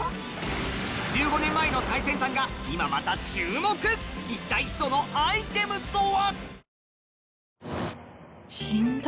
１５年前の最先端が今また注目一体そのアイテムとは？